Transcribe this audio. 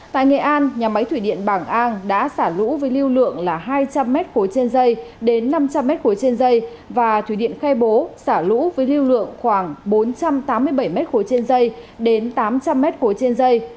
tại nghệ an nhà máy thủy điện bảng an đã xả lũ với lưu lượng là hai trăm linh m ba trên dây đến năm trăm linh m ba trên dây và thủy điện khe bố xả lũ với lưu lượng khoảng bốn trăm tám mươi bảy m ba trên dây đến tám trăm linh m ba trên dây